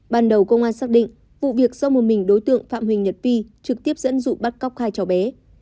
ban đầu công an xác định vụ việc do một mình đối tượng phạm huỳnh nhật vi trực tiếp dẫn dụ bắt cóc hai cháu bé